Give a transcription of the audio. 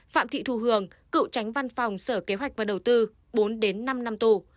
phạm thị thu hường cựu tránh văn phòng sở kế hoạch và đầu tư bốn đến năm năm tù